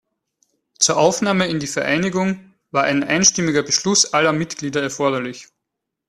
Zur Aufnahme in die Vereinigung war ein einstimmiger Beschluss aller Mitglieder erforderlich.